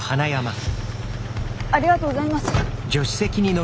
ありがとうございます。